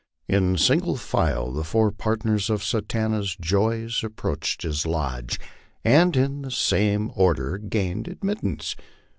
In single file the four partners of Satanta's joys approached his lodge, and in the same order gained admittance.